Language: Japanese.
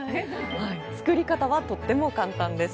作り方はとっても簡単です。